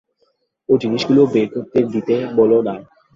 ঐ জিনিসগুলো বের করে দিতে বলো-না।